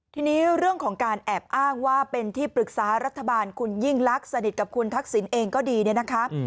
ทีนี้เรื่องของการแอบอ้างว่าเป็นที่ปรึกษารัฐบาลคุณยิ่งลักษณ์สนิทกับคุณทักษิณเองก็ดีเนี่ยนะคะ